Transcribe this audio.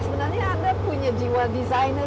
sebenarnya anda punya jiwa desainer